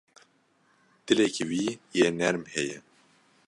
Dilekî wî yê germ heye.